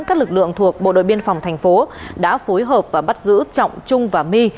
các lực lượng thuộc bộ đội biên phòng thành phố đã phối hợp và bắt giữ trọng trung và my